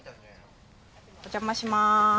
お邪魔します。